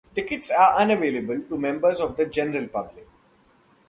Tickets are unavailable to members of the general public.